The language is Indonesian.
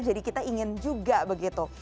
jadi kita ingin juga begitu